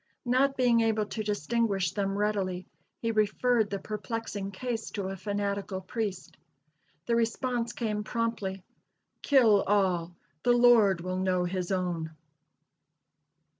Not being able to distinguish them readily, he referred the perplexing case to a fanatical priest. The response came promptly: "Kill all; the Lord will know his own!"